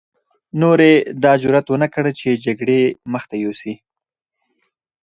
نورو يې دا جرعت ونه کړ چې جګړې مخته يوسي.